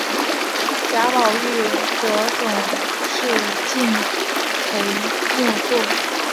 贾宝玉则总是敬陪末座。